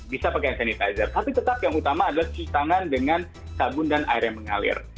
bisa pakai hand sanitizer tapi tetap yang utama adalah cuci tangan dengan sabun dan air yang mengalir